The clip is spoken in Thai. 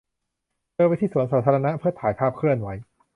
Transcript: เธอไปที่สวนสาธารณะเพื่อถ่ายภาพเคลื่อนไหว